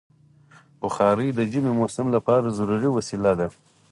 بخاري د ژمي موسم لپاره ضروري وسیله ده.